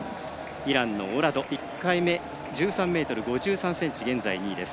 イランのオラド、１回目１３ｍ５３ｃｍ、現在２位。